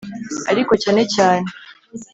ariko cyane cyane,